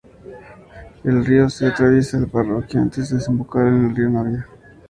El río Ser atraviesa la parroquia antes de desembocar en el río Navia.